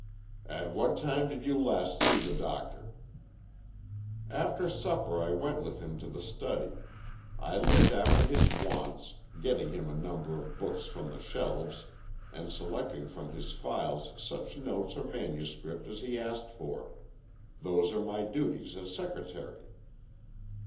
"At what time did you last see the doctor?" "After supper I went with him to the study. I looked after his wants, getting him a number of books from the shelves, and selecting from his files such notes or manuscript as he asked for. Those are my duties as secretary."